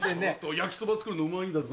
焼きそば作るのうまいんだぞ。